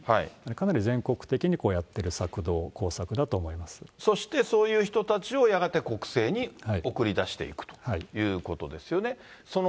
かなり全国的にやっているさくどう、そして、そういう人たちをやがて国政に送り出していくということですよね。